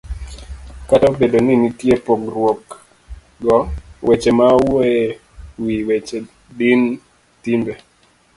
Kata obedo ni nitie pogruokgo, weche ma wuoyo e wi weche din, timbe